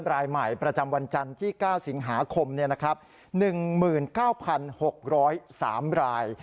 รายใหม่ประจำวันจันทร์ที่๙สิงหาคม๑๙๖๐๓ราย